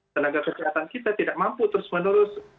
tenaga kesehatan kita tidak mampu terus menerus